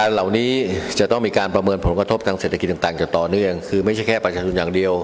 เศรษฐกิจต่างจะต่อเนื่องคือไม่ใช่แค่ประชาชนอย่างเดียว